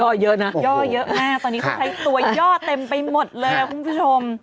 ตัวย่อเยอะนะตอนนี้เขาใช้ตัวย่อเต็มไปหมดเลยคุณผู้ชม